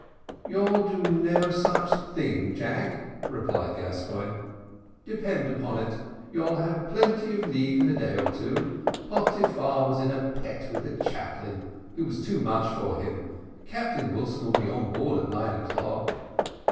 "You'll do no such thing, Jack," replied Gascoigne "depend upon it, you'll have plenty of leave in a day or two. Pottyfar was in a pet with the chaplain, who was too much for him. Captain Wilson will be on board by nine o'clock."